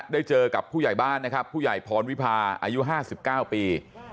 ได้เจอกับผู้ใหญ่บ้านนะครับผู้ใหญ่พรวิพาอายุ๕๙ปี